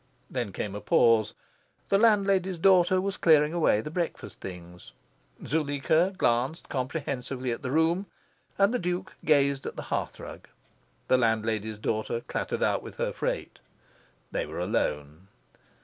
Then came a pause. The landlady's daughter was clearing away the breakfast things. Zuleika glanced comprehensively at the room, and the Duke gazed at the hearthrug. The landlady's daughter clattered out with her freight. They were alone.